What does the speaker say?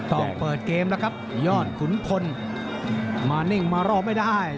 ต้องเปิดเกมแล้วครับยอดขุนพลมานิ่งมารอไม่ได้